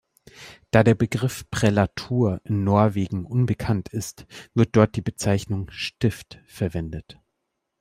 Da der Begriff "Prälatur" in Norwegen unbekannt ist, wird dort die Bezeichnung "Stift" verwendet.